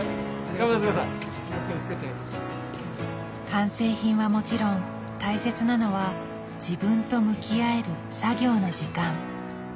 完成品はもちろん大切なのは自分と向き合える作業の時間。